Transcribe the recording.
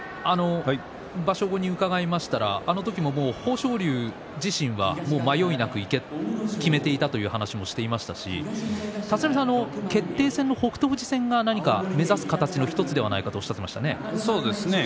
立浪さん、場所後に伺いましたらあの時の豊昇龍自身が迷いなくきめていたという話をしていましたし立浪さん、決定戦の北勝富士戦が目指す形の１つではないかと言っていましたね。